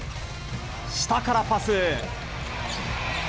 下からパス。